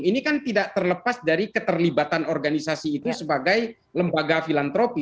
ini kan tidak terlepas dari keterlibatan organisasi itu sebagai lembaga filantropi